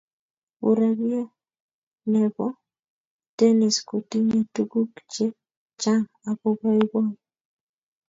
Urerie ne bo tenis ko tinye tukuk che chang ako iboiboi.